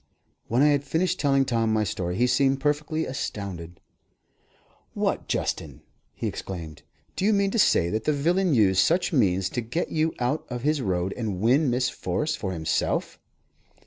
When I had finished telling Tom my story, he seemed perfectly astounded. "What, Justin!" he exclaimed, "do you mean to say that the villain used such means to get you out of his road and win Miss Forrest for himself?"